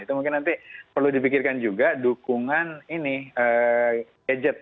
itu mungkin nanti perlu dipikirkan juga dukungan ini gadget